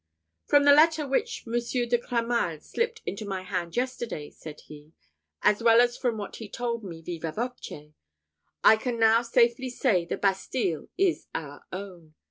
"From the letter which Monsieur de Cramail slipped into my hand yesterday," said he, "as well as from what he told me vivâ voce, I can now safely say the Bastille is our own.